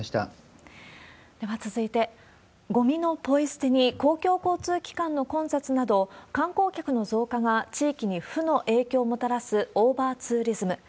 では続いて、ごみのポイ捨てに公共交通機関の混雑など、観光客の増加が地域に負の影響をもたらすオーバーツーリズム。